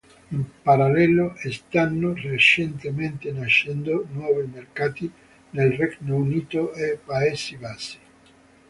In parallelo, stanno recentemente nascendo nuovi mercati nel Regno Unito e Paesi Bassi.